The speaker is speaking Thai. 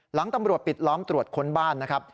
หลังตำรวจปิดล้อมตรวจค้นบ้านนะครับ